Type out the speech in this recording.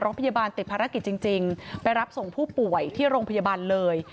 พยาบาลติดภารกิจจริงไปรับส่งผู้ป่วยที่โรงพยาบาลเลย